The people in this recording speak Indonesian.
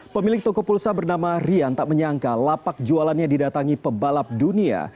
pemilik toko pulsa bernama rian tak menyangka lapak jualannya didatangi pebalap dunia